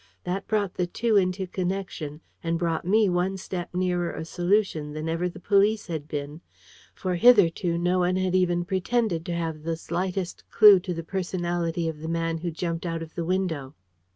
That brought the two into connection, and brought me one step nearer a solution than ever the police had been; for hitherto no one had even pretended to have the slightest clue to the personality of the man who jumped out of the window.